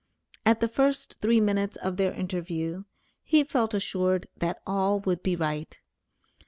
At the first three minutes of their interview, he felt assured that all would be right.